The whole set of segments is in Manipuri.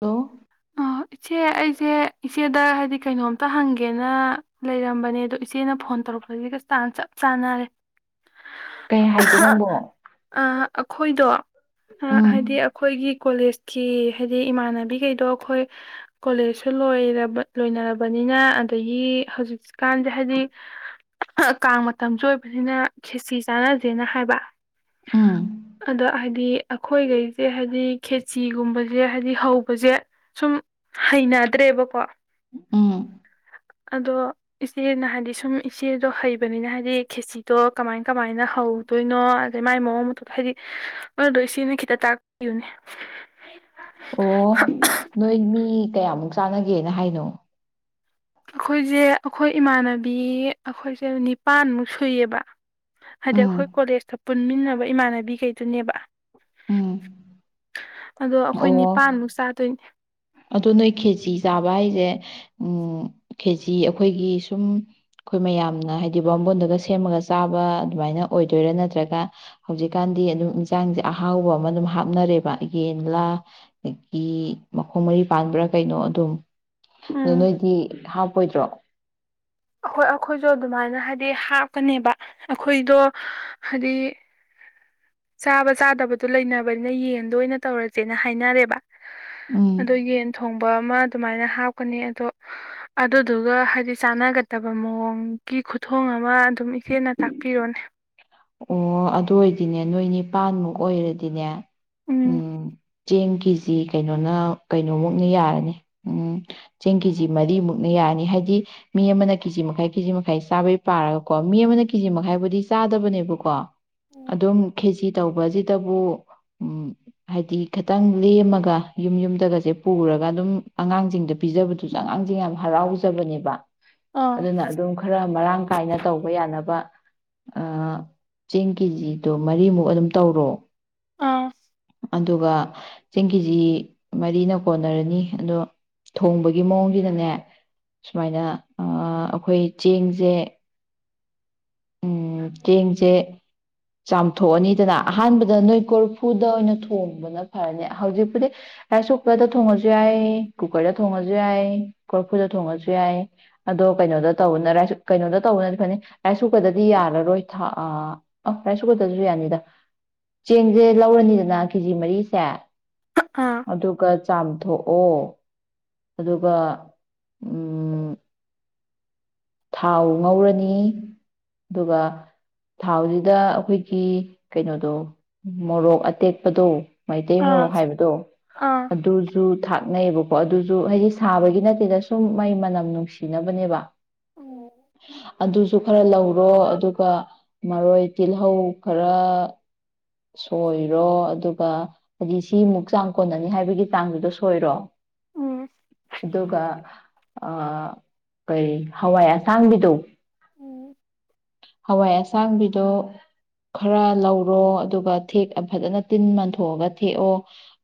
ꯍꯜꯂꯣ ꯑꯥ ꯏꯆꯦ ꯑꯩꯁꯦ ꯏꯆꯦꯗ ꯍꯥꯏꯗꯤ ꯀꯩꯅꯣꯝꯇ ꯍꯪꯒꯦꯅ ꯂꯩꯔꯝꯕꯅꯦ ꯑꯗꯣ ꯏꯆꯦꯅ ꯐꯣꯟ ꯇꯧꯔꯛꯄꯁꯤꯒ ꯇꯥꯟ ꯆꯞ ꯆꯥꯟꯅꯔꯦ ꯀꯩ ꯍꯥꯏꯒꯦ ꯅꯪꯕꯣ ꯑꯈꯣꯏꯗꯣ ꯑ ꯍꯥꯏꯗꯤ ꯎꯝ ꯑꯩꯈꯣꯏꯒꯤ ꯀꯣꯂꯦꯖꯀꯤ ꯍꯩ ꯍꯥꯏꯗꯤ ꯏꯃꯥꯟꯅꯕꯤꯒꯩꯗꯣ ꯑꯩꯈꯣꯏ ꯀꯣꯂꯦꯖꯁꯨ ꯂꯣꯏꯔꯕ ꯂꯣꯏꯅꯔꯕꯅꯤꯅ ꯑꯗꯒꯤ ꯍꯧꯖꯤꯛꯀꯥꯟꯁꯦ ꯍꯥꯏꯗꯤ ꯀꯥꯡ ꯃꯇꯝꯁꯨ ꯑꯣꯏꯕꯅꯤꯅ ꯈꯦꯆꯤ ꯆꯥꯅꯁꯦꯅ ꯍꯥꯏꯕ ꯎꯝ ꯑꯗ ꯍꯥꯏꯗꯤ ꯑꯩꯈꯣꯏꯈꯩꯁꯦ ꯍꯥꯏꯗꯤ ꯈꯦꯆꯤꯒꯨꯝꯕ ꯁꯦ ꯍꯥꯏꯗꯤ ꯍꯧꯕꯁꯦ ꯁꯨꯝ ꯍꯩꯅꯗ꯭ꯔꯦꯕꯀꯣ ꯎꯝ ꯑꯗꯣ ꯏꯆꯦꯅ ꯍꯥꯏꯗꯤ ꯁꯨꯝ ꯏꯆꯦꯗꯣ ꯍꯩꯕꯅꯤꯅ ꯍꯥꯏꯗꯤ ꯈꯦꯆꯤꯗꯣ ꯀꯃꯥꯏ ꯀꯃꯥꯏꯅ ꯍꯧꯗꯣꯏꯅꯣ ꯑꯗꯩ ꯃꯥꯏ ꯃꯑꯣꯡ ꯃꯇꯧ ꯍꯥꯏꯗꯤ ꯑꯗꯨꯗꯣ ꯏꯆꯦꯅ ꯈꯤꯇ ꯇꯥꯛꯄꯤꯌꯨꯅꯦ [inaudible] ꯑꯣ ꯅꯣꯏ ꯃꯤ ꯀꯌꯥꯃꯨꯛ ꯆꯥꯟꯅꯒꯦꯅ ꯍꯥꯏꯅꯣ ꯑꯈꯣꯏꯁꯦ ꯑꯩꯈꯣꯏ ꯏꯃꯥꯟꯅꯕꯤ ꯑꯈꯣꯏꯁꯦ ꯅꯤꯄꯥꯟꯃꯨꯛ ꯁꯨꯏꯌꯦꯕ ꯍꯥꯏꯗꯤ ꯎꯝ ꯑꯩꯈꯣꯏ ꯀꯣꯂꯦꯖꯇ ꯄꯨꯟꯃꯤꯟꯅꯕ ꯏꯃꯥꯟꯅꯕꯤꯈꯩꯗꯨꯅꯦꯕ ꯎꯝ ꯑꯗꯣ ꯑꯈꯣꯏ ꯅꯤꯄꯥꯥꯟꯃꯨꯛ ꯆꯥꯗꯣꯏꯅꯦ ꯑꯗꯨ ꯅꯣꯏ ꯈꯦꯆꯤ ꯆꯥꯕ ꯍꯥꯏꯁꯦ ꯎꯝ ꯈꯦꯆꯤ ꯑꯩꯈꯣꯏꯒꯤ ꯁꯨꯝ ꯑꯩꯈꯣꯏ ꯃꯌꯥꯝꯅ ꯍꯥꯏꯗꯤ ꯕꯥꯝꯃꯣꯟꯗꯒ ꯁꯦꯝꯃꯒ ꯆꯥꯕ ꯑꯗꯨꯃꯥꯏꯅ ꯑꯣꯏꯗꯣꯏꯔ ꯅꯠꯇ꯭ꯔꯒ ꯍꯧꯖꯤꯛꯀꯥꯟꯗꯤ ꯑꯗꯨꯝ ꯏꯟꯁꯥꯡ ꯑꯍꯥꯎꯕ ꯑꯃ ꯑꯗꯨꯝ ꯍꯥꯞꯅꯔꯦꯕ ꯌꯦꯟꯂꯥ ꯑꯗꯒꯤ ꯃꯈꯣꯡ ꯃꯔꯤ ꯄꯥꯟꯕ꯭ꯔ ꯀꯩꯅꯣ ꯑꯗꯨꯝ ꯑꯗꯨ ꯎꯝ ꯅꯣꯏꯗꯤ ꯍꯥꯞꯄꯣꯏꯗ꯭ꯔꯣ ꯑꯈꯣꯏ ꯑꯈꯣꯏꯁꯨ ꯑꯗꯨꯃꯥꯏꯅ ꯍꯥꯏꯗꯤ ꯍꯥꯞꯀꯅꯦꯕ ꯑꯩꯈꯣꯏꯗꯣ ꯍꯥꯏꯗꯤ ꯆꯥꯕ ꯆꯥꯗꯕꯗꯨ ꯂꯩꯅꯕꯅꯤꯅ ꯌꯦꯟꯗꯣ ꯑꯣꯏꯅ ꯇꯧꯔꯁꯦꯅ ꯍꯥꯏꯅꯔꯦꯕ ꯎꯝ ꯑꯗꯣ ꯌꯦꯟ ꯊꯣꯡ ꯕ ꯑꯃ ꯗꯨꯃꯥꯏꯅ ꯍꯥꯞꯀꯅꯤ ꯑꯗꯣ ꯑꯗꯨꯗꯨꯒ ꯍꯥꯏꯗꯤ ꯆꯥꯟꯅꯒꯗꯕ ꯃꯑꯣꯡꯒꯤ ꯈꯨꯊꯣꯡ ꯑꯃ ꯑꯗꯨꯝ ꯏꯆꯦꯅ ꯇꯥꯛꯄꯤꯔꯣꯅꯦ ꯑꯣ ꯑꯗꯨ ꯑꯣꯏꯗꯤꯅꯦ ꯅꯣꯏ ꯅꯤꯄꯥꯟꯃꯨꯛ ꯑꯣꯏꯔꯗꯤꯅꯦ ꯎꯝ ꯆꯦꯡ ꯀꯦꯖꯤ ꯀꯩꯅꯣꯅ ꯀꯩꯅꯣꯃꯨꯛꯅ ꯌꯥꯔꯅꯤ ꯎꯝ ꯆꯦꯡ ꯀꯦꯖꯤ ꯃꯔꯤꯃꯨꯛꯅ ꯌꯥꯅꯤ ꯍꯥꯏꯗꯤ ꯃꯤ ꯑꯃꯅ ꯀꯦꯖꯤ ꯃꯈꯥꯏ ꯀꯦꯖꯤ ꯃꯈꯥꯏ ꯆꯥꯕꯩ ꯄꯥꯔꯒꯀꯣ ꯃꯤ ꯑꯃꯅ ꯀꯦꯖꯤ ꯃꯈꯥꯏꯕꯨꯗꯤ ꯆꯥꯗꯕꯅꯦ ꯕꯀꯣ ꯑꯗꯨꯝ ꯈꯦꯆꯤ ꯇꯧꯕꯁꯤꯗꯕꯨ ꯎꯝ ꯍꯥꯏꯗꯤ ꯈꯤꯇꯪ ꯂꯦꯝꯃꯒ ꯌꯨꯝ ꯌꯨꯝꯗꯒꯁꯦ ꯄꯨꯔꯒ ꯑꯗꯨꯝ ꯑꯉꯥꯡꯁꯤꯡꯗ ꯄꯤꯖꯕꯗꯨꯁꯨ ꯑꯉꯥꯡꯁꯤꯡ ꯌꯥꯝ ꯍꯔꯥꯎꯖꯕꯅꯦꯕ ꯑꯥ ꯑꯗꯨꯅ ꯑꯗꯨꯝ ꯈꯔ ꯃꯔꯥꯡ ꯀꯥꯏꯅ ꯇꯧꯕ ꯌꯥꯅꯕ ꯑꯥ ꯆꯦꯡ ꯀꯦꯖꯤꯗꯣ ꯃꯔꯤꯃꯨꯛ ꯑꯗꯨꯝ ꯇꯧꯔꯣ ꯑꯥ ꯑꯗꯨꯒ ꯆꯦꯡ ꯀꯦꯖꯤ ꯃꯔꯤꯅ ꯀꯣꯟꯅꯔꯅꯤ ꯑꯗꯣ ꯊꯣꯡꯕꯒꯤ ꯃꯑꯣꯡꯁꯤꯅꯅꯦ ꯁꯨꯃꯥꯏꯅ ꯑ ꯑꯩꯈꯣꯏ ꯆꯦꯡꯁꯦ ꯎꯝ ꯆꯦꯡꯁꯦ ꯆꯥꯝꯊꯣꯛꯑꯅꯤꯗꯅ ꯑꯍꯥꯟꯕꯗ ꯅꯣꯏ ꯀꯣꯔꯐꯨꯗ ꯑꯣꯏꯅ ꯊꯣꯡꯕꯅ ꯐꯔꯅꯤ ꯍꯧꯖꯤꯛꯄꯨꯗꯤ ꯔꯥꯏꯁ ꯀꯨꯀꯔꯗ ꯊꯣꯡꯉꯁꯨ ꯌꯥꯏ ꯀꯨꯀꯔꯗ ꯊꯣꯡꯉꯁꯨ ꯌꯥꯏ ꯀꯣꯔꯐꯨꯗ ꯊꯣꯡꯉꯁꯨ ꯌꯥꯏ ꯑꯗꯣ ꯀꯩꯅꯣꯗ ꯇꯧꯕꯅ ꯀꯩꯅꯣꯗ ꯇꯧꯕꯅꯗꯤ ꯐꯅꯤ ꯔꯥꯏꯁ ꯀꯨ ꯀꯨꯀꯔꯗꯗꯤ ꯌꯥꯔꯔꯣꯏ ꯊꯥ ꯑ ꯑꯣ ꯔꯥꯏꯁ ꯀꯨꯀꯔꯁꯨ ꯌꯥꯅꯤꯗ ꯆꯦꯡꯁꯦ ꯂꯧꯔꯅꯤꯗꯅ ꯀꯦꯖꯤ ꯃꯔꯤꯁꯦ ꯑꯥ ꯑꯗꯨꯒ ꯆꯥꯝꯊꯣꯛꯑꯣ ꯑꯗꯨ ꯒ ꯎꯝ ꯊꯥꯎ ꯉꯧꯔꯅꯤ ꯑꯗꯨꯒ ꯊꯥꯎꯁꯤꯗ ꯑꯩꯈꯣꯏꯒꯤ ꯀꯩꯅꯣꯗꯣ ꯃꯣꯔꯣꯛ ꯑꯇꯦꯛꯄꯗꯣ ꯃꯩꯇꯩ ꯑꯥ ꯃꯣꯔꯣꯛ ꯍꯥꯏꯕꯗꯣ ꯑꯥ ꯑꯗꯨꯁꯨ ꯊꯥꯛꯅꯩꯌꯦꯕꯀꯣ ꯑꯗꯨꯁꯨ ꯍꯥꯏꯗꯤ ꯁꯥꯕꯒꯤ ꯅꯠꯇꯦꯗ ꯁꯨꯝ ꯃꯥꯏ ꯃꯅꯝ ꯅꯨꯡꯁꯤꯅꯕꯅꯦꯕ ꯎꯝ [inaudible] ꯑꯗꯨꯁꯨ ꯈꯔ ꯂꯧꯔꯣ ꯑꯗꯨꯒ ꯃꯔꯣꯏ ꯇꯤꯜꯍꯧ ꯈꯔ ꯁꯣꯏꯔꯣ ꯑꯗꯨꯒ ꯍꯥꯏꯗꯤ ꯁꯤꯃꯨꯛ ꯆꯥꯡ ꯀꯣꯟꯅꯅꯤ ꯍꯥꯏꯕꯒꯤ ꯇꯥꯡꯗꯣ ꯁꯣꯏꯔꯣ ꯎꯝ ꯑꯗꯨꯒ ꯑꯥ ꯀꯩ ꯍꯋꯥꯏ ꯑꯁꯥꯡꯕꯤꯗꯣ ꯎꯝ ꯍꯋꯥꯏ ꯑꯁꯥꯡꯕꯤꯗꯣ ꯈꯔ ꯂꯧꯔꯣ ꯑꯗꯨꯒ ꯊꯦꯛ ꯑꯥ ꯐꯖꯅ ꯇꯤꯟ ꯃꯟꯊꯣꯛꯑꯒ ꯊꯦꯛꯑꯣ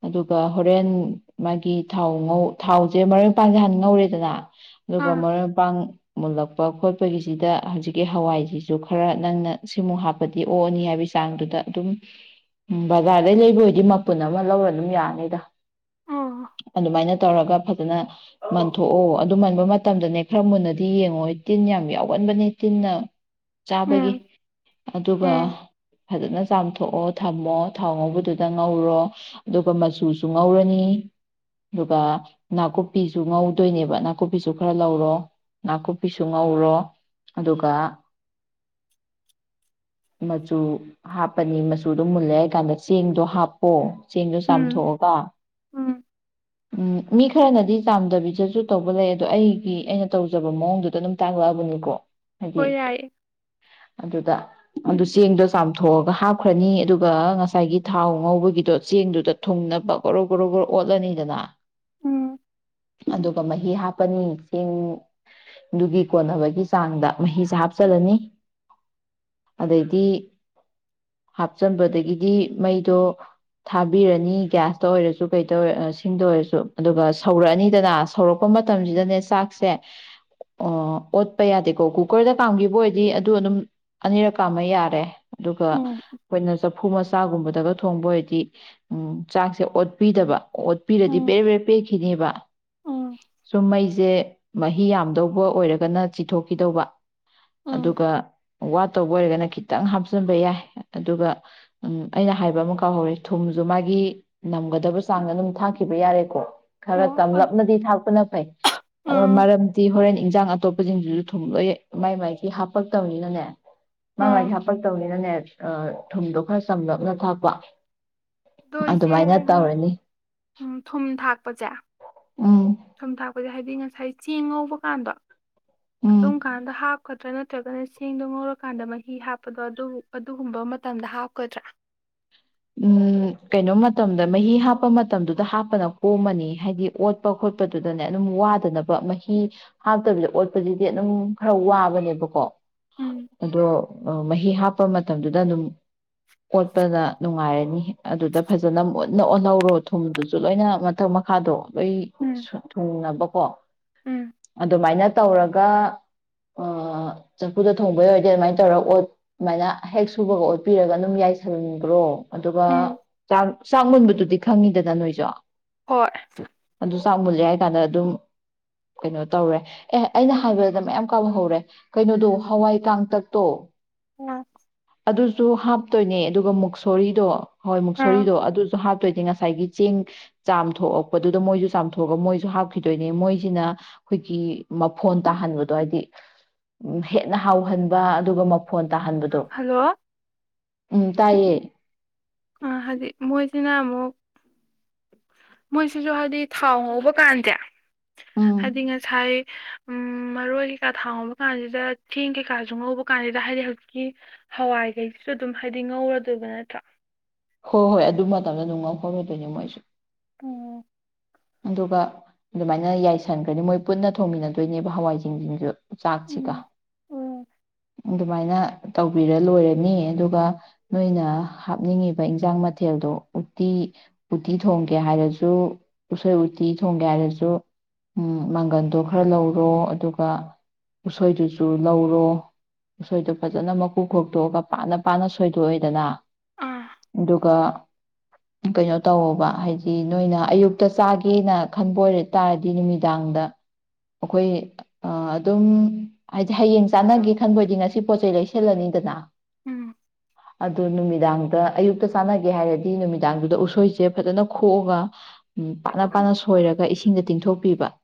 ꯑꯗꯨꯒ ꯍꯣꯔꯦꯟ ꯃꯥꯒꯤ ꯊꯥꯎ ꯉꯧ ꯊꯥꯎꯁꯦ ꯃꯔꯣꯏꯄꯥꯡꯁꯦ ꯍꯥꯟꯅ ꯉꯧꯔꯦꯗꯅ ꯑꯗꯨꯒ ꯑꯥ ꯃꯔꯣꯢꯃꯄꯥꯡ ꯃꯨꯜꯂꯛꯄ ꯈꯣꯠꯄꯒꯤꯁꯤꯗ ꯍꯧꯖꯤꯛꯀꯤ ꯍꯋꯥꯏꯁꯤꯁꯨ ꯈꯔ ꯅꯪꯅ ꯁꯤꯃꯨꯛ ꯍꯥꯞꯄꯗꯤ ꯑꯣꯛꯑꯅꯤ ꯍꯥꯏꯕꯒꯤ ꯆꯥꯡꯗꯨꯗ ꯑꯗꯨꯝ ꯕꯖꯥꯔꯗꯩ ꯂꯩꯕ ꯑꯣꯏꯗꯤ ꯃꯄꯨꯟ ꯑꯃ ꯂꯧꯔ ꯑꯗꯨꯝ ꯌꯥꯅꯤꯗ ꯑꯣ ꯑꯗꯨꯃꯥꯏꯅ ꯇꯧꯔꯒ ꯐꯖꯅ ꯍꯜꯂꯣ ꯃꯟꯊꯣꯛꯑꯣ ꯑꯗꯨ ꯃꯟꯕ ꯃꯇꯝꯗꯅꯦ ꯈꯔ ꯃꯨꯟꯅꯗꯤ ꯗꯤ ꯌꯦꯡꯉꯣ ꯇꯤꯟ ꯌꯥꯝ ꯌꯥꯎꯒꯟꯕꯅꯦ ꯇꯤꯟꯅ ꯆꯥꯕꯒꯤ ꯎꯝ ꯑꯗꯨꯒ ꯎꯝ ꯐꯖꯅ ꯆꯥꯝꯊꯣ ꯊꯣꯛꯑꯣ ꯊꯝꯃꯣ ꯊꯥꯎ ꯉꯧꯕꯗꯨꯗ ꯉꯧꯔꯣ ꯑꯗꯨꯒ ꯃꯆꯨꯁꯨ ꯉꯧꯔꯅꯤ ꯑꯗꯨꯒ ꯅꯥꯀꯨꯞꯄꯤꯁꯨ ꯉꯧꯗꯣꯏꯅꯦꯕ ꯅꯥꯀꯨꯞꯄꯤꯁꯨ ꯈꯔ ꯂꯧꯔꯣ ꯅꯥꯀꯨꯞꯄꯤꯁꯨ ꯉꯧꯔꯣ ꯑꯗꯨꯒ ꯃꯆꯨ ꯍꯥꯞꯄꯅꯤ ꯃꯆꯨꯗꯣ ꯃꯨꯜꯂꯦ ꯍꯥꯏ ꯀꯥꯟꯗ ꯆꯦꯡꯗꯣ ꯍꯥꯞꯄꯣ ꯆꯦꯡꯗꯨꯣ ꯎꯝ ꯆꯥꯝꯊꯣꯛꯑꯒ ꯎꯝ ꯎꯝ ꯃꯤ ꯈꯔꯅꯗꯤ ꯆꯥꯝꯗꯕꯤꯗꯁꯨ ꯇꯧꯕ ꯂꯩ ꯑꯗꯣ ꯑꯩꯒꯤ ꯑꯩꯅ ꯇꯧ ꯐꯖꯕ ꯃꯑꯣꯡꯗꯨꯗ ꯑꯗꯨꯝ ꯇꯥꯛꯂꯛꯑꯕꯅꯤꯀꯣ ꯍꯥꯏꯗꯤ ꯍꯣꯏ ꯌꯥꯏꯌꯦ ꯑꯗꯨꯗ ꯑꯗꯨ ꯆꯦꯡꯗꯣ ꯆꯥꯝꯊꯣꯛꯑꯒ ꯍꯥꯞꯈ꯭ꯔꯅꯤ ꯑꯗꯨꯒ ꯉꯁꯥꯏꯒꯤ ꯊꯥꯎ ꯉꯧꯕꯒꯤꯗꯣ ꯆꯦꯡꯗꯨꯗ ꯊꯨꯡꯅꯕ ꯒꯣꯔꯣ ꯒꯣꯔꯣ ꯒꯣꯔꯣ ꯑꯣꯠꯂꯅꯤꯗꯅ ꯎꯝ ꯑꯗꯨꯒ ꯃꯍꯤ ꯍꯥꯞꯄꯅꯤ ꯆꯦꯡ ꯑꯗꯨꯒꯤ ꯀꯣꯟꯅꯕꯒꯤ ꯆꯥꯡꯗ ꯃꯍꯤꯁꯦ ꯎꯝ ꯍꯥꯞꯆꯜꯂꯅꯤ ꯑꯗꯩꯗꯤ ꯍꯥꯞꯆꯟꯕꯗꯒꯤꯗꯤ ꯃꯩꯗꯣ ꯊꯥꯕꯤꯔꯅꯤ ꯒ꯭ꯌꯥꯁꯇ ꯑꯣꯏꯔꯁꯨ ꯀꯩꯗ ꯑꯣꯏꯔ ꯁꯤꯡꯗ ꯑꯣꯏꯔꯁꯨ ꯑꯗꯨꯒ ꯁꯧꯔꯛꯑꯅꯤꯗꯅ ꯁꯧꯔꯛꯄ ꯃꯇꯝꯁꯤꯗꯅꯦ ꯆꯥꯛꯁꯦ ꯑꯣ ꯑꯣꯠꯄ ꯌꯥꯗꯦꯀꯣ ꯀꯨꯀꯔꯗ ꯀꯥꯝꯈꯤꯕ ꯑꯣꯏꯗꯤ ꯑꯗꯨ ꯑꯗꯨꯝ ꯑꯅꯤꯔꯛ ꯀꯥꯝꯃꯒ ꯌꯥꯔꯦ ꯑꯗꯨꯒ ꯎꯝ ꯑꯩꯈꯣꯏꯅ ꯆꯐꯨ ꯃꯆꯥꯒꯨꯝꯕꯗꯒ ꯊꯣꯡꯕ ꯑꯣꯏꯗꯤ ꯎꯝ ꯆꯥꯛꯁꯦ ꯑꯣꯠꯄꯤꯗꯕ ꯑꯣꯠꯄꯤꯔꯗꯤ ꯎꯝ ꯕ꯭ꯔꯦ ꯕ꯭ꯔꯦ ꯄꯦꯠ ꯈꯤꯔꯦꯕ ꯎꯝ ꯃꯩꯁꯦ ꯃꯍꯤ ꯌꯥꯝ ꯇꯧꯕ ꯑꯣꯏꯔꯒꯅ ꯆꯤꯊꯣꯛꯈꯤꯗꯧꯕ ꯎꯝ ꯑꯗꯨꯒ ꯋꯥꯠꯇꯧꯕ ꯑꯣꯏꯔꯒꯅ ꯈꯤꯇꯪ ꯍꯥꯞꯆꯤꯟꯕ ꯌꯥꯏ ꯑꯗꯨꯒ ꯎꯝ ꯑꯩꯅ ꯍꯥꯏꯕ ꯑꯃ ꯀꯥꯎꯍꯧꯔꯦ ꯊꯨꯝꯁꯨ ꯃꯥꯒꯤ ꯅꯝꯒꯗꯕ ꯆꯥꯡꯗ ꯑꯗꯨꯝ ꯊꯥꯛꯈꯤꯕ ꯌꯥꯔꯦꯀꯣ ꯈꯔ ꯑꯣ ꯇꯝꯂꯞꯅꯗꯤ ꯊꯥꯛꯄꯅ ꯐꯩ ꯕ ꯃꯔꯝ ꯍꯣꯔꯦꯟ ꯏꯟꯖꯥꯡ ꯑꯇꯣꯞꯄꯁꯤꯡꯁꯤꯁꯨ ꯊꯨꯝ ꯂꯣꯏ ꯃꯥꯏ ꯃꯥꯏꯒꯤ ꯍꯥꯞꯄꯛꯇꯕꯅꯤꯅꯅꯦ ꯃꯥ ꯃꯥꯒꯤ ꯑꯥ ꯍꯥꯄꯛꯇꯧꯅꯤꯅꯅꯦ ꯑ ꯊꯨꯝꯗꯣ ꯈꯔ ꯆꯝꯅꯞꯅ ꯊꯥꯛꯄ ꯑꯗꯣ ꯏꯆꯦ ꯑꯗꯨꯃꯥꯏꯅ ꯍꯥꯏꯗꯤ ꯇꯧꯔꯅꯤ ꯎꯝ ꯊꯨꯝ ꯊꯥꯛꯄꯁꯦ ꯎꯝ ꯊꯨꯝ ꯊꯥꯛꯄꯁꯦ ꯍꯥꯏꯗꯤ ꯉꯁꯥꯏ ꯆꯦꯡ ꯉꯧꯕ ꯀꯥꯟꯗ ꯑꯗꯨꯝ ꯎꯝ ꯀꯥꯟꯗ ꯍꯥꯞꯀ ꯇ꯭ꯔ ꯅꯠꯇ꯭ꯔꯒꯅ ꯆꯦꯡꯗꯣ ꯉꯧꯔꯀꯥꯟꯗ ꯃꯍꯤ ꯍꯥꯞꯄꯒ ꯑꯗꯨ ꯑꯗꯨꯒꯨꯝꯕ ꯃꯇꯝꯗ ꯍꯥꯞꯀꯗ꯭ꯔ ꯎꯝ ꯀꯩꯅꯣ ꯃꯇꯝꯗ ꯃꯍꯤ ꯍꯥꯞꯄ ꯃꯇꯝꯗꯨꯗ ꯍꯥꯞꯄꯅ ꯀꯣꯝꯃꯅꯤ ꯍꯥꯏꯗꯤ ꯑꯣꯠꯄ ꯈꯣꯠꯄꯗꯨꯗꯅꯦ ꯑꯗꯨꯝ ꯋꯥꯗꯅꯕ ꯃꯍꯤ ꯍꯥꯞꯇꯕꯤꯗ ꯑꯣꯠꯄꯗꯗꯤ ꯑꯗꯨꯝ ꯈꯔ ꯋꯥꯕꯅꯦꯕꯀꯣ ꯎꯝ ꯑꯗꯣ ꯃꯍꯤ ꯍꯥꯞꯄ ꯃꯇꯝꯗꯨꯗ ꯑꯗꯨꯝ ꯑꯣꯠꯄꯗ ꯅꯨꯡꯉꯥꯏꯔꯅꯤ ꯑꯗꯨꯗ ꯐꯖꯅ ꯃꯨꯟꯅ ꯑꯣꯜꯍꯧꯔꯣ ꯊꯨꯝꯗꯨꯁꯨ ꯂꯣꯏꯅ ꯃꯊꯛ ꯃꯈꯥꯗꯣ ꯂꯣꯏ ꯎꯝ ꯊꯨꯡꯅꯕꯀꯣ ꯎꯝ ꯑꯗꯨꯃꯥꯏꯅ ꯇꯧꯔꯒ ꯑꯥ ꯆꯥꯐꯨꯗ ꯊꯣꯡꯕꯩ ꯑꯣꯢꯔꯗꯤ ꯑꯗꯨꯃꯥꯏꯅ ꯇꯧꯔ ꯑꯣꯠ ꯑꯗꯨꯃꯥꯏꯅ ꯍꯦꯛ ꯁꯨꯕꯒ ꯑꯣꯠꯄꯤꯔꯒ ꯑꯗꯨꯝ ꯌꯥꯏꯁꯟꯒ꯭ꯔꯣ ꯑꯗꯨꯒ ꯎꯝ ꯆꯥꯛ ꯆꯥꯛ ꯃꯨꯟꯕꯗꯨꯗꯤ ꯈꯪꯉꯤꯗꯅ ꯅꯣꯏꯖꯨ ꯍꯣꯏ ꯗꯨ ꯆꯥꯛ ꯃꯨꯜꯂꯦ ꯍꯥꯏ ꯀꯥꯟꯗ ꯗꯨꯝ ꯀꯩꯅꯣ ꯇꯧꯔꯦ ꯑꯦ ꯑꯩꯅ ꯍꯥꯏꯕꯗ ꯃꯌꯥꯝ ꯀꯥꯎꯍꯧꯔꯦ ꯀꯩꯅꯣꯗꯣ ꯍꯋꯥꯏ ꯀꯥꯡꯇꯛꯇꯣ ꯎꯝ ꯑꯗꯨꯁꯨ ꯍꯥꯞꯇꯣꯏꯅꯦ ꯑꯗꯨꯒ ꯃꯨꯛꯁꯨ ꯊꯣꯔꯤꯗꯣ ꯍꯣꯏ ꯎꯝ ꯃꯨꯛꯁꯣꯔꯤꯗꯣ ꯑꯗꯨꯁꯨ ꯍꯥꯞꯇꯣꯏꯅꯦ ꯉ ꯉꯁꯥꯏꯒꯤ ꯆꯦꯡ ꯆꯥꯝꯊꯣꯛꯑꯄꯗꯨꯗ ꯃꯣꯏꯁꯨ ꯆꯥꯝꯊꯣꯛꯑꯒ ꯃꯣꯏꯁꯨ ꯍꯥꯞꯈꯤꯗꯣꯏꯅꯦ ꯃꯣꯏꯁꯤꯅ ꯑꯩꯈꯣꯏꯒꯤ ꯃꯐꯣꯟ ꯇꯥꯍꯟꯕꯗꯣ ꯍꯥꯏꯗꯤ ꯎ ꯍꯦꯟꯅ ꯍꯥꯎꯍꯟꯕ ꯑꯗꯨꯒ ꯐꯣꯟ ꯇꯥꯍꯟꯕꯗꯣ ꯍꯜꯂꯣ ꯎꯝ ꯇꯥꯏꯌꯦ ꯑ ꯍꯥꯏꯗꯤ ꯃꯣꯏꯁꯤꯅ ꯑꯃꯨꯛ ꯃꯣꯏꯁꯤꯁꯨ ꯍꯥꯏꯗꯤ ꯊꯥꯎ ꯉꯧꯕ ꯀꯥꯟꯖꯦ ꯎꯝ ꯍꯥꯏꯗꯤ ꯉꯁꯥꯏ ꯎꯝ ꯃꯔꯣꯏ ꯀꯩꯀꯥ ꯊꯥꯎꯉꯧꯕ ꯀꯥꯟꯁꯤꯗ ꯆꯦꯡ ꯀꯩꯀꯥꯁꯨ ꯉꯧꯕ ꯀꯥꯟꯁꯤꯗ ꯍꯥꯏꯗꯤ ꯍꯧꯖꯤꯛꯀꯤ ꯍꯋꯥꯏꯈꯩꯁꯤꯁꯨ ꯑꯗꯨꯝ ꯍꯥꯏꯗꯤ ꯉꯧꯔꯗꯣꯏꯕ ꯅꯠꯇ꯭ꯔꯣ ꯍꯣꯏ ꯍꯣꯏ ꯑꯗꯨ ꯃꯇꯝꯗ ꯑꯗꯨꯝ ꯉꯥꯎꯍꯧꯔꯗꯣꯏꯅꯦ ꯃꯣꯏꯁꯨ ꯑꯣ ꯑꯗꯨꯒ ꯑꯗꯨꯃꯥꯏꯅ ꯌꯥꯏꯁꯟꯈ꯭ꯔꯅꯤ ꯃꯣꯏ ꯄꯨꯟꯅ ꯊꯣꯡꯃꯤꯟꯅꯗꯣꯏꯅꯦꯕ ꯍꯋꯥꯏꯖꯤꯡꯁꯤꯁꯨ ꯆꯥꯛꯁꯤꯒ ꯎꯝ ꯎꯝ ꯑꯗꯨꯃꯥꯏꯅ ꯇꯧꯕꯤꯔ ꯂꯣꯏꯔꯅꯤ ꯑꯗꯨꯒ ꯅꯣꯏꯅ ꯍꯥꯞꯅꯤꯡꯉꯤ ꯑꯗꯨꯒ ꯏꯟꯖꯥꯡ ꯃꯊꯦꯜꯗꯣ ꯎꯇꯤ ꯎꯇꯤ ꯊꯣꯡꯒꯦ ꯍꯥꯏꯔꯁꯨ ꯎꯁꯣꯏ ꯎꯇꯤ ꯊꯣꯡꯒꯦ ꯍꯥꯏꯔꯁꯨ ꯎꯝ ꯃꯪꯒꯟꯗꯣ ꯈꯔ ꯂꯧꯔꯣ ꯑꯗꯨꯒ ꯎꯁꯣꯏꯗꯨꯁꯨ ꯂꯧꯔꯣ ꯎꯁꯣꯏꯗꯣ ꯐꯖꯅ ꯃꯀꯨ ꯈꯣꯛꯇꯣꯛꯑꯒ ꯄꯥꯅ ꯄꯥꯅ ꯁꯣꯏꯗꯣꯛꯑꯦꯗꯅ ꯑꯥ ꯑꯗꯨꯒ ꯀꯩꯅꯣ ꯇꯧꯑꯣꯕ ꯍꯥꯏꯗꯤ ꯅꯣꯏꯅ ꯑꯌꯨꯛꯇ ꯆꯥꯒꯦꯅ ꯈꯟꯕ ꯑꯣꯏꯔ ꯇꯥꯔꯗꯤ ꯅꯨꯃꯤꯗꯥꯡꯗ ꯑꯩꯈꯣꯏ ꯑꯗꯨꯝ ꯍꯥꯏꯗꯤ ꯍꯌꯦꯡ ꯆꯥꯟꯅꯒꯦ ꯈꯟꯕꯗꯤ ꯉꯁꯤ ꯄꯣꯠꯆꯩ ꯂꯩꯁꯜꯂꯅꯤꯗꯅ ꯎꯝ ꯑꯗꯨ ꯅꯨꯃꯤꯗꯥꯡꯗ ꯑꯌꯨꯛꯇ ꯆꯥꯟꯅꯒꯦ ꯍꯥꯏꯔꯗꯤ ꯅꯨꯃꯤꯗꯥꯡꯗꯨꯗ ꯎꯁꯣꯏꯁꯦ ꯐꯖꯅ ꯈꯣꯛꯑꯒ ꯎꯝ ꯄꯥꯅ ꯄꯥꯅ ꯁꯣꯏꯔꯒ ꯏꯁꯤꯡꯗ ꯇꯤꯡꯊꯣꯛꯄꯤꯕ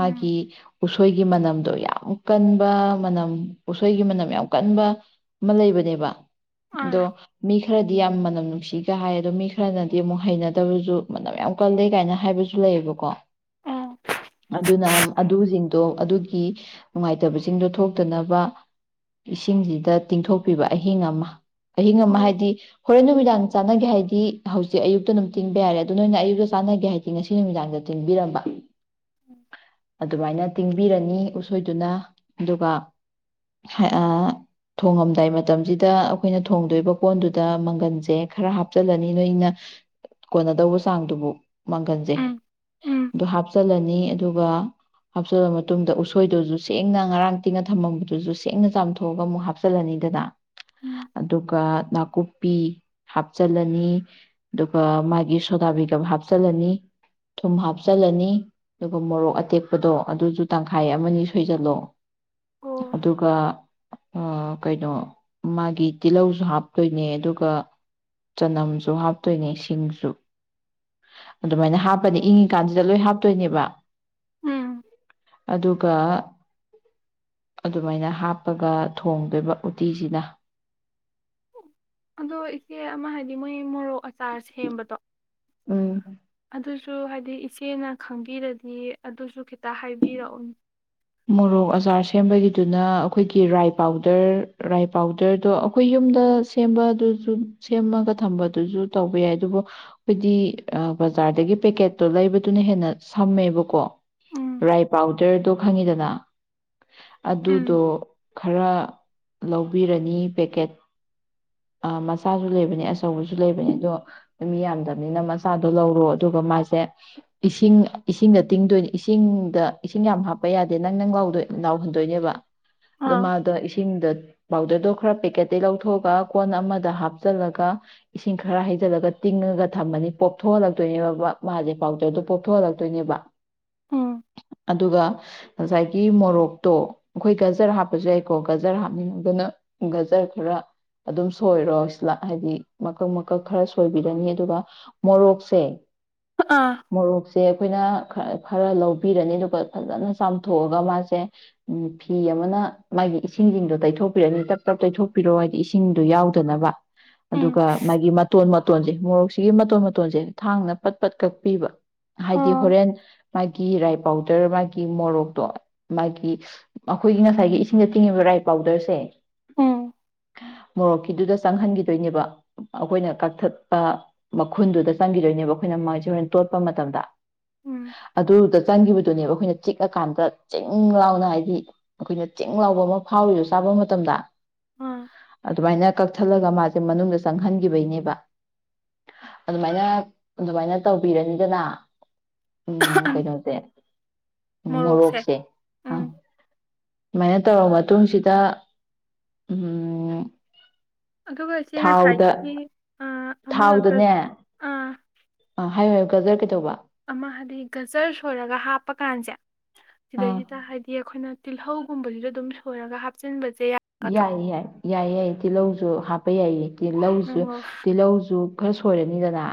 ꯎꯝ ꯎꯁꯣꯏꯒꯤ ꯃꯅꯝꯗꯣ ꯌꯥꯝ ꯀꯟꯕ ꯃꯅꯝ ꯎꯁꯣꯏꯒꯤ ꯃꯅꯝ ꯌꯥꯝ ꯀꯟꯕ ꯑꯃ ꯂꯩꯕꯅꯦꯕ ꯑ ꯗꯣ ꯃꯤ ꯗꯤ ꯌꯥꯝ ꯃꯅꯝ ꯅꯨꯡꯁꯤꯒ ꯍꯥꯏ ꯑꯗꯣ ꯃꯤ ꯈꯔꯅꯗꯤ ꯑꯃꯨꯛ ꯍꯩꯅꯗꯕꯁꯨ ꯃꯅꯝ ꯌꯥꯝ ꯀꯜꯂꯦ ꯀꯥꯏꯅ ꯍꯥꯏꯕꯁꯨ ꯂꯩꯌꯦꯕꯀꯣ ꯑꯣ ꯑꯗꯨꯅ ꯑꯗꯨꯁꯤꯡꯗꯣ ꯑꯗꯨꯒꯤ ꯅꯨꯡꯉꯥꯏꯇꯕꯁꯤꯡꯗꯣ ꯊꯣꯛꯇꯅꯕ ꯏꯁꯤꯡꯁꯤꯗ ꯇꯤꯡꯊꯣꯛꯄꯤꯕ ꯑꯍꯤꯡ ꯑꯃ ꯑꯍꯤꯡ ꯑꯃ ꯑꯣ ꯍꯥꯏꯗꯤ ꯅꯣꯏ ꯅꯨꯃꯤꯗꯥꯡꯗ ꯆꯥꯟꯅꯒꯦ ꯍꯥꯏꯗꯤ ꯍꯧꯖꯤꯛ ꯑꯌꯨꯛꯇ ꯑꯗꯨꯝ ꯇꯤꯡꯕ ꯌꯥꯔꯦ ꯑꯗꯨ ꯅꯣꯏꯅ ꯑꯌꯨꯛꯇ ꯆꯥꯅꯒꯦ ꯍꯥꯏꯗꯤ ꯉꯁꯤ ꯅꯨꯃꯤꯗꯥꯡꯗ ꯇꯤꯡꯕꯤꯔꯝꯕ [inaudible] ꯑꯗꯨꯃꯥꯏꯅ ꯇꯤꯡꯕꯤꯔꯅꯤ ꯎꯁꯣꯏꯗꯨꯅ ꯑꯗꯨꯒ ꯑꯥ ꯊꯣꯡꯉꯝꯗꯥꯏ ꯃꯇꯝꯁꯤꯗ ꯑꯩꯈꯣꯏꯅ ꯊꯣꯡꯗꯣꯏꯕ ꯀꯣꯟꯗꯨꯗ ꯃꯪ ꯃꯡꯒꯜꯁꯦ ꯈꯔ ꯍꯥꯞꯆꯜꯂꯅꯤ ꯅꯣꯏꯅ ꯀꯣꯟꯅꯗꯧꯕ ꯆꯥꯡꯗꯨꯕꯨ ꯃꯥꯡꯒꯟꯁꯦ ꯎꯝ ꯎꯝ ꯑꯗꯨ ꯍꯥꯞ ꯍꯥꯞꯆꯤꯜꯂꯅꯤ ꯑꯗꯨꯒ ꯍꯥꯞꯆꯤꯜꯂ ꯃꯇꯨꯡꯗ ꯎꯁꯣꯏꯗꯨꯁꯨ ꯁꯦꯡꯅ ꯉꯔꯥꯡ ꯇꯤꯡꯉ ꯊꯝꯃꯝꯕꯗꯨꯁꯨ ꯁꯦꯡꯅ ꯆꯥꯝꯊꯣꯛꯑꯒ ꯑꯃꯨꯛ ꯍꯥꯞꯆꯤꯜꯂꯅꯤꯗꯅ ꯎꯝ ꯑꯗꯨꯒ ꯅꯥꯀꯨꯞ ꯄꯤ ꯍꯥꯞꯆꯤꯜꯂꯅꯤ ꯑꯗꯨꯒ ꯃꯥꯒꯤ ꯁꯣꯗꯥꯕꯩꯒꯞ ꯍꯥꯞꯆꯤꯜꯂꯅꯤ ꯊꯨꯝ ꯍꯥꯞꯆꯤꯜꯂꯅꯤ ꯑꯗꯨꯒ ꯃꯣꯔꯣꯛ ꯑꯇꯦꯛꯄꯗꯣ ꯑꯗꯨꯁꯨ ꯇꯪꯈꯥꯏ ꯑꯃꯅꯤ ꯁꯣꯏꯖꯜꯂꯣ ꯑꯣ ꯑꯗꯨꯒ ꯀꯩꯅꯣ ꯃꯥꯒꯤ ꯇꯤꯜꯍꯧꯁꯨ ꯍꯥꯞꯇꯣꯏꯅꯦ ꯑꯗꯨꯒ ꯆꯅꯝꯁꯨ ꯍꯥꯞꯇꯣꯏꯅꯦ ꯁꯤꯡꯁꯨ ꯑꯗꯨꯃꯥꯏꯅ ꯍꯥꯞꯄꯅꯤ ꯏꯪꯉꯤꯀꯥꯟꯁꯤꯗ ꯂꯣꯏ ꯍꯥꯞꯇꯣꯏꯅꯦꯕ ꯎꯝ ꯑꯗꯨꯒ ꯑꯗꯨꯃꯥꯏꯅ ꯍꯥꯞꯄꯒ ꯊꯣꯡꯗꯣꯏꯕ ꯎꯇꯤꯁꯤꯅ ꯑꯗꯣ ꯏꯆꯦ ꯑꯃ ꯍꯥꯏꯗꯤ ꯃꯣꯏ ꯃꯣꯔꯣꯛ ꯑꯆꯥꯔꯁꯦꯝꯕꯗꯣ ꯎꯝ ꯑꯗꯨꯁꯨ ꯍꯥꯏꯗꯤ ꯏꯆꯦꯅ ꯈꯪꯕꯤꯔꯗꯤ ꯑꯗꯨꯁꯨ ꯈꯤꯇ ꯍꯥꯏꯕꯤꯔꯛꯎ ꯃꯣꯔꯣꯛ ꯑꯆꯥꯔ ꯁꯦꯝꯕꯒꯤꯗꯨꯅ ꯑꯩꯈꯣꯏꯒꯤ ꯔꯥꯏ ꯄꯥꯎꯗꯔ ꯔꯥꯏ ꯄꯥꯎꯗꯔꯗꯣ ꯑꯩꯈꯣꯏ ꯌꯨꯝꯗ ꯁꯦꯝꯕ ꯑꯗꯨꯁꯨ ꯁꯦꯝꯃꯒ ꯊꯝꯕꯗꯨꯁꯨ ꯇꯧꯕ ꯌꯥꯏ ꯑꯗꯨꯕꯨ ꯑꯩꯈꯣꯏꯗꯤ ꯕꯖꯥꯔꯗꯒꯤ ꯄꯦꯀꯦꯠꯇꯣ ꯂꯩꯕꯗꯨꯅ ꯍꯦꯟꯅ ꯁꯝꯃꯦꯕꯀꯣ ꯎꯝ ꯔꯥꯏ ꯄꯥꯎꯗꯔꯗꯣ ꯈꯪꯉꯤꯗꯅ ꯎꯝ ꯑꯗꯨꯗꯣ ꯈꯔ ꯂꯧꯕꯤꯔꯅꯤ ꯄꯦꯛꯀꯦꯠ ꯃꯆꯥꯁꯨ ꯂꯩꯕꯅꯦ ꯑꯆꯧꯕꯁꯨ ꯂꯩꯕꯅꯦ ꯑꯗꯣ ꯃꯤ ꯌꯥꯝꯗꯕꯅꯤꯅ ꯃꯆꯥꯗꯣ ꯂꯧꯔꯣ ꯑꯗꯨꯒ ꯃꯥꯁꯦ ꯏꯁꯤꯡ ꯏꯁꯤꯡꯗ ꯇꯤꯡꯗꯣꯏꯅꯤ ꯏꯁꯤꯡꯗ ꯏꯁꯤꯡ ꯌꯥꯝ ꯌꯥꯗꯦ ꯅꯪ ꯅꯪ ꯂꯥꯎꯗꯣꯏ ꯂꯥꯎꯍꯟꯗꯣꯏꯅꯦꯕ ꯑꯗꯣ ꯑ ꯃꯥꯗꯣ ꯏꯁꯤꯡꯗ ꯄꯥꯎꯗꯔꯗꯣ ꯈꯔ ꯄꯦꯛꯀꯦꯠꯇꯒꯤ ꯂꯧꯊꯣꯛꯑꯒ ꯀꯣꯟ ꯑꯃꯗ ꯍꯥꯞꯆꯜꯂꯒ ꯏꯁꯤꯡ ꯈꯔ ꯍꯩꯖꯤꯜꯂꯒ ꯇꯤꯡꯉꯒ ꯊꯝꯃꯅꯤ ꯄꯣꯞꯊꯣꯛꯍꯜꯂꯛꯇꯣꯏꯅꯦꯕ ꯃꯥꯁꯦ ꯄꯥꯎꯗꯔꯗꯣ ꯄꯣꯞꯊꯣꯛꯍꯜꯂꯛꯇꯣꯏꯅꯦꯕ ꯎꯝ ꯑꯗꯨꯒ ꯉꯁꯥꯏꯒꯤ ꯃꯣꯔꯣꯛꯇꯣ ꯑꯩꯈꯣꯏ ꯒꯖꯔ ꯍꯥꯞꯄꯁꯨ ꯌꯥꯏꯀꯣ ꯒꯖꯔ ꯍꯥꯞꯅꯤꯡꯉꯒꯅ ꯒꯖꯔ ꯈꯔ ꯑꯗꯨꯝ ꯁꯣꯏꯔꯣ ꯁꯤꯂ ꯍꯥꯏꯗꯤ ꯃꯀꯛ ꯃꯀꯛ ꯈꯔ ꯁꯣꯏꯕꯤꯔꯅꯤ ꯑꯗꯨꯒ ꯃꯣꯔꯣꯛꯁꯦ ꯑ ꯃꯣꯔꯣꯛ ꯁꯦ ꯑꯩꯈꯣꯏꯅ ꯈꯔ ꯂꯧꯕꯤꯔꯅꯤ ꯑꯗꯨꯒ ꯐꯖꯅ ꯆꯥꯝꯊꯣꯛꯑꯒ ꯃꯥꯁꯦ ꯐꯤ ꯑꯃꯅ ꯃꯥꯒꯤ ꯏꯁꯤꯡꯁꯤꯡꯗꯣ ꯇꯩꯊꯣꯛꯄꯤꯔꯅꯤ ꯇꯞ ꯇꯞ ꯇꯩꯊꯣꯛꯄꯤꯔꯣ ꯍꯥꯏꯗꯤ ꯏꯁꯤꯡꯗꯣ ꯌꯥꯎꯗꯅꯕ ꯎꯝ ꯑꯗꯨꯒ ꯃꯥꯒꯤ ꯃꯇꯣꯟ ꯃꯇꯣꯟꯁꯦ ꯃꯣꯔꯣꯛꯁꯤꯒꯤ ꯃꯇꯣꯟ ꯃꯇꯣꯟꯁꯦ ꯊꯥꯡꯅ ꯄꯠ ꯄꯠ ꯀꯛꯄꯤꯕ ꯍꯥꯏꯗꯤ ꯑ ꯍꯣꯔꯦꯟ ꯃꯥꯒꯤ ꯔꯥꯏ ꯄꯥꯎꯗꯔ ꯃꯥꯒꯤ ꯒꯤ ꯃꯣꯔꯣꯛꯇꯣ ꯃꯥꯒꯤ ꯑꯩꯈꯣꯏꯒꯤ ꯉꯁꯥꯏꯒꯤ ꯏꯁꯤꯡꯗ ꯇꯤꯡꯉꯤꯕ ꯔꯥꯏ ꯄꯥꯎꯗꯔꯁꯦ ꯎꯝ ꯃꯣꯔꯣꯛꯀꯤꯗꯨꯗ ꯆꯪꯍꯟꯈꯤꯗꯣꯏꯅꯦꯕ ꯑꯩꯈꯣꯏꯅ ꯀꯛꯊꯠꯄ ꯃꯈꯨꯟꯗꯨꯗ ꯆꯪꯈꯤꯗꯣꯏꯅꯦꯕ ꯑꯩꯈꯣꯏꯅ ꯃꯥꯁꯦ ꯍꯣꯔꯦꯟ ꯇꯣꯠꯄ ꯃꯇꯝꯗ ꯎꯝ ꯑꯗꯨꯗ ꯆꯪꯈꯤꯕꯗꯨꯅꯦꯕ ꯑꯩꯈꯣꯏꯅ ꯆꯤꯛꯑꯀꯥꯟꯗ ꯆꯤꯡ ꯂꯥꯎꯅ ꯍꯥꯏꯗꯤ ꯑꯩꯈꯣꯏꯅ ꯆꯤꯡ ꯂꯥꯎꯕ ꯑꯃ ꯐꯥꯎꯔꯤꯗꯣ ꯆꯥꯕ ꯃꯇꯝꯗ ꯑ ꯑꯗꯨꯃꯥꯏꯅ ꯀꯛꯊꯠꯂꯒ ꯃꯥꯁꯦ ꯃꯅꯨꯡꯗ ꯆꯪꯍꯟꯈꯤꯕꯩꯅꯦꯕ ꯑꯗꯨꯃꯥꯏꯅ ꯑꯗꯨꯃꯥꯏꯅ ꯇꯧꯕꯤꯔꯅꯤꯗꯅ ꯎꯝ ꯀꯩꯩꯅꯣꯁꯦ ꯎꯝ ꯃꯣꯔꯣꯛꯁꯦ ꯑ ꯎꯝ ꯁꯨꯃꯥꯏꯅ ꯇꯧꯔ ꯃꯇꯨꯡꯁꯤꯗ ꯎꯝ ꯑꯗꯨꯒ ꯏꯆꯦ ꯊꯥꯎꯗ ꯉꯁꯥꯏꯒꯤ ꯑꯥ ꯑꯃ ꯒ ꯊꯥꯎꯗꯅꯦ ꯑꯥ ꯑ ꯍꯥꯏꯌꯣ ꯍꯥꯏꯌꯣ ꯒꯖꯔ ꯀꯩꯗꯧꯕ ꯑꯃ ꯍꯥꯏꯗꯤ ꯒꯖꯔ ꯁꯣꯏꯔꯒ ꯍꯥꯞꯄ ꯀꯥꯟꯁꯦ ꯑꯥ ꯁꯤꯗꯩꯁꯤꯗ ꯍꯥꯏꯗꯤ ꯑꯩꯈꯣꯏꯅ ꯇꯤꯜꯍꯧꯒꯨꯝꯕꯁꯤꯁꯨ ꯑꯗꯨꯝ ꯁꯣꯏꯔꯒ ꯍꯥꯞꯆꯤꯟꯕꯁꯦ ꯌꯥꯒꯗ꯭ꯔꯣ ꯌꯥꯏꯌꯦ ꯌꯥꯏ ꯌꯥꯏ ꯌꯥꯏꯌꯦ ꯇꯤꯜꯍꯧꯁꯨ ꯍꯥꯞꯄ ꯌꯥꯏꯌꯦ ꯇꯤꯜꯍꯧꯁꯨ ꯎꯝ ꯇꯤꯜꯍꯧꯁꯨ ꯈꯔ ꯁꯣꯏꯔꯅꯤꯗꯅ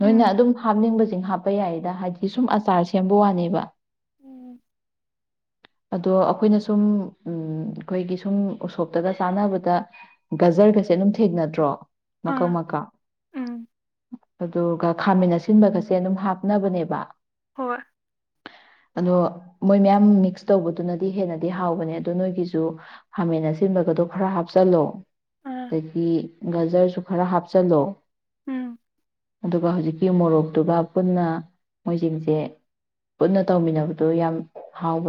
ꯅꯣꯏꯅ ꯎꯝ ꯑꯗꯨꯝ ꯍꯥꯞꯅꯤꯡꯕꯁꯤꯡ ꯍꯥꯞꯄ ꯌꯥꯏꯗ ꯍꯥꯏꯗꯤ ꯁꯨꯝ ꯑꯆꯥꯔ ꯁꯦꯝꯕ ꯋꯥꯅꯦꯕ ꯎꯝ ꯑꯗꯣ ꯑꯩꯈꯣꯏꯅ ꯁꯨꯝ ꯎꯝ ꯑꯩꯈꯣꯏꯒꯤ ꯁꯨꯝ ꯎꯁꯣꯞꯇꯒ ꯆꯥꯟꯅꯕꯗ ꯒꯖꯔꯒꯁꯦ ꯑꯗꯨꯝ ꯊꯦꯡꯅꯗ꯭ꯔꯣ ꯃꯈꯜ ꯑꯥ ꯃꯀꯥ ꯎꯝ ꯑꯗꯨꯒ ꯈꯥꯃꯦꯟ ꯑꯁꯤꯟꯕꯒꯁꯦ ꯑꯗꯨꯝ ꯍꯥꯞꯅꯕꯅꯦꯕ ꯍꯣꯏ ꯑꯗꯣ ꯃꯣꯏ ꯃꯌꯥꯝ ꯃꯤꯛꯁ ꯇꯧꯕꯗꯨꯅꯗꯤ ꯍꯦꯟꯅꯗꯤ ꯍꯥꯎꯕꯅꯦ ꯑꯗꯨ ꯅꯣꯏꯒꯤꯁꯨ ꯈꯥꯃꯦꯟ ꯑꯁꯤꯟꯕꯒꯗꯣ ꯈꯔ ꯍꯥꯞꯆꯜꯂꯣ ꯑꯥ ꯑꯗꯒꯤ ꯒꯖꯔꯁꯨ ꯈꯔ ꯍꯥꯞꯆꯜꯂꯣ ꯎꯝ ꯑꯗꯨꯒ ꯍꯧꯖꯤꯛꯀꯤ ꯃꯣꯔꯣꯛꯇꯨꯒ ꯄꯨꯟꯅ ꯃꯣꯏꯁꯤꯡꯁꯦ ꯄꯨꯟꯅ ꯇꯧꯃꯤꯟꯅꯕꯗꯣ ꯌꯥꯝ ꯍꯥꯎꯕ